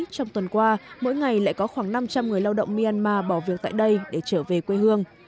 trong tuần qua mỗi ngày lại có khoảng năm trăm linh người lao động myanmar bỏ việc tại đây để trở về quê hương